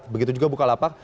begitu juga bukalapak